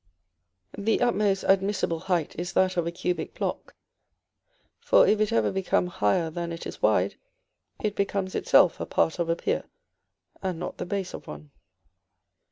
The utmost admissible height is that of a cubic block; for if it ever become higher than it is wide, it becomes itself a part of a pier, and not the base of one.